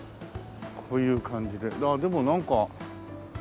こういう感じででもなんか。